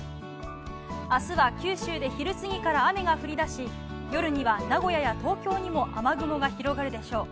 明日は九州で昼過ぎから雨が降り出し夜には名古屋や東京にも雨雲が広がるでしょう。